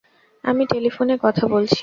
আমি টেলিফোনে কথা বলছি।